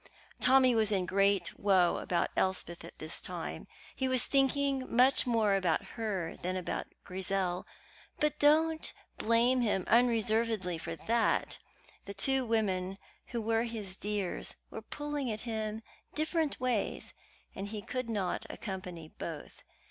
Tommy was in great woe about Elspeth at this time. He was thinking much more about her than about Grizel; but do not blame him unreservedly for that: the two women who were his dears were pulling him different ways, and he could not accompany both.